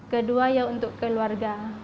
kedua ya untuk keluarga